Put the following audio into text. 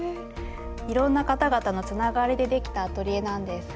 いろんな方々のつながりでできたアトリエなんです。